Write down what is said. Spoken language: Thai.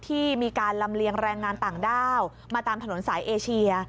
ที่มีการลำเลียงแรงงานต่างด้าวมาตามถนนสายเอเชีย